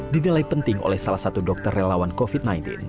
dinilai penting oleh salah satu dokter relawan covid sembilan belas